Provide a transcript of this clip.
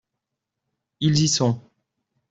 Ils y sont.